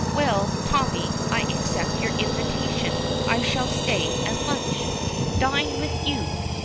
Well, Tommy, I accept your invitation. I shall stay and lunch dine with you."